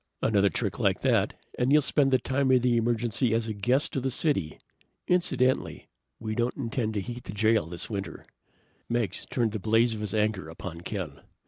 "Another trick like that and you'll spend the time of the emergency as a guest of the city. Incidentally, we don't intend to heat the jail this winter!" Meggs turned the blaze of his anger upon Ken.